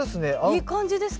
いい感じです。